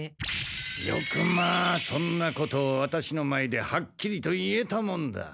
よくまあそんなことをワタシの前ではっきりと言えたもんだ。